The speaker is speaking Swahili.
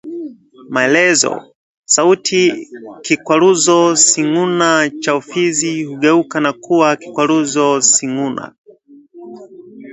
Maelezo: Sauti kikwaruzo sighuna cha ufizi hugeuka na kuwa kikwaruzo sighuna